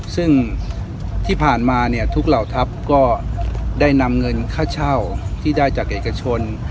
ซึ่งที่ผ่านมาเนี่ยทุกเหล่าทัพก็ได้นำเงินค่าเช่าที่ได้จากเอกชน